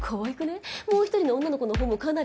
「もう一人の女の子のほうもかなり」。